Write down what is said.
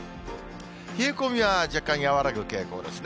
冷え込みは若干和らぐ傾向ですね。